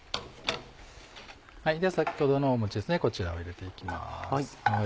では先ほどのもちですねこちらを入れていきます。